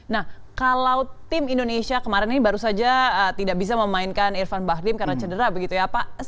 nah kalau tim indonesia kemarin ini baru saja tidak bisa memainkan irfan bahdim karena cedera begitu ya pak